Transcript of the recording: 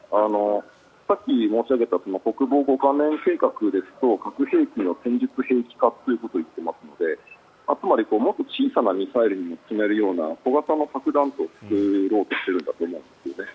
さっき申し上げた国年五カ年計画ですが核兵器の戦術兵器化ということを言っていますのでつまり、もっと小さなミサイルに積めるような小型の核弾頭を作ろうとしているんだと思うんですね。